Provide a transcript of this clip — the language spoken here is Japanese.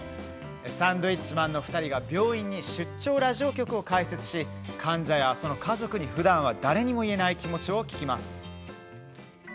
サンドウィッチマンの２人が病院に出張ラジオ局を開設し患者やその家族に、ふだんは誰にも言えない気持ちを聞きます。